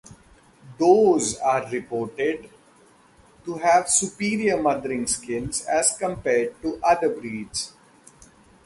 Does are reported to have superior mothering skills as compared to other breeds.